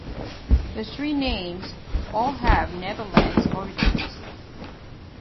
The street names all have Netherlands origins.